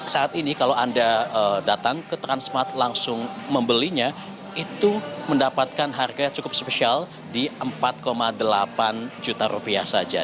saat ini kalau anda datang ke transmart langsung membelinya itu mendapatkan harga yang cukup spesial di empat delapan juta rupiah saja